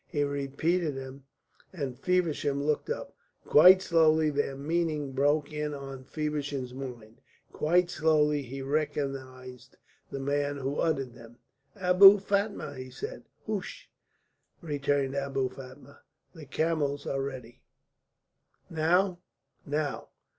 He repeated them, and Feversham looked up. Quite slowly their meaning broke in on Feversham's mind; quite slowly he recognised the man who uttered them. "Abou Fatma!" he said. "Hoosh!" returned Abou Fatma, "the camels are ready." "Now?" "Now."